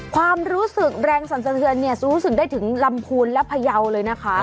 ความรู้สึกแรงสรรสะเทือนเนี่ยรู้สึกได้ถึงลำพูนและพยาวเลยนะคะ